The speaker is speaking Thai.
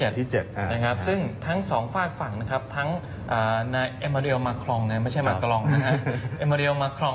นี่มีเป็นทั้งสองฝากฝั่งนะครับคืออิมอร์เรลว์มะครอง